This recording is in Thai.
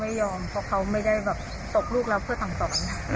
เพราะเขาไม่ได้แบบตกลูกเราเพื่อสั่งสอน